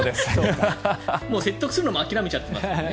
説得するのも諦めちゃってますね。